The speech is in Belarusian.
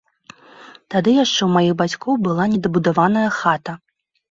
Тады яшчэ ў маіх бацькоў была не дабудаваная хата.